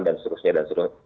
dan seterusnya dan seterusnya